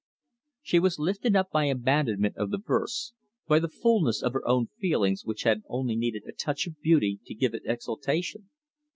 She was lifted up by the abandonment of the verse, by the fulness of her own feelings, which had only needed a touch of beauty to give it exaltation.